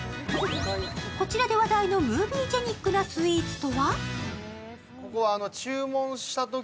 こちらで話題のムービージェニックなスイーツとは？